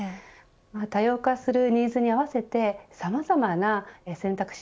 多様化するニーズに合わせてさまざまな選択肢